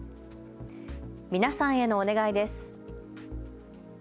皆さんへのお願いです。